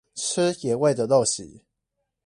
吃野味的陋習